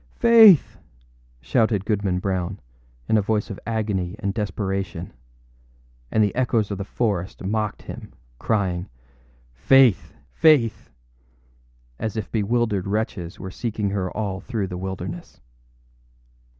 âFaith!â shouted Goodman Brown, in a voice of agony and desperation; and the echoes of the forest mocked him, crying, âFaith! Faith!â as if bewildered wretches were seeking her all through the wilderness.